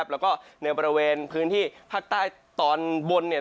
แล้วก็ในบริเวณพื้นที่ภาคใต้ตอนบน